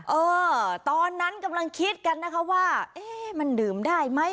เออตอนนั้นกำลังคิดกันนะคะว่าเอ๊ะมันดื่มได้ไหม